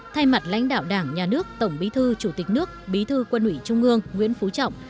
thay mặt lãnh đạo đảng nhà nước tổng bí thư chủ tịch nước bí thư quân ủy trung ương nguyễn phú trọng